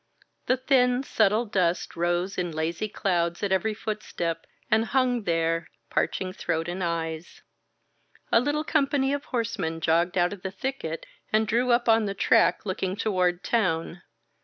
The thin, subtle dust rose in lazy clouds at every footstep, and himg there, parching throat and eyes. A little company of horsemen jogged out of the thicket and drew up on the track, looking toward town.